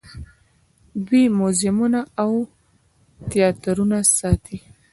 دوی موزیمونه او تیاترونه ساتي.